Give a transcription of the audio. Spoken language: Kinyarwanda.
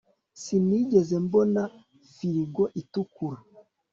Sinigeze mbona firigo itukura